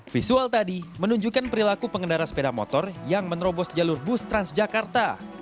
visual tadi menunjukkan perilaku pengendara sepeda motor yang menerobos jalur bus transjakarta